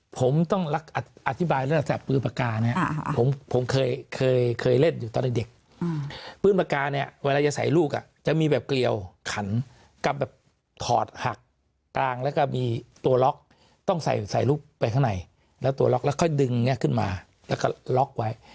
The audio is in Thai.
ผมต้องอธิบายลักษณะปืนปากกาเนี่ยผมเคยเคยเล่นอยู่ตอนเด็กปืนปากกาเนี่ยเวลาจะใส่ลูกจะมีแบบเกลียวขันกับแบบถอดหักกลางแล้วก็มีตัวล็อกต้องใส่ลูกไปข้างในแล้วตัวล็อกแล้วค่อยดึงเนี่ยขึ้นมาแล้วก็ล็อกไว้